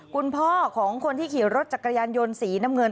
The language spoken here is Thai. คุณพ่อของคนที่ขี่รถจักรยานยนต์สีน้ำเงิน